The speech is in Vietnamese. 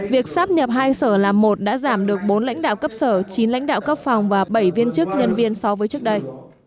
việc sắp nhập hai sở là một đã giảm được bốn lãnh đạo cấp sở chín lãnh đạo cấp phòng và bảy viên chức nhân viên so với trước đây